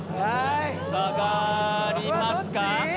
下がりますか。